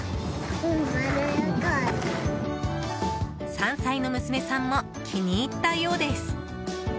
３歳の娘さんも気に入ったようです。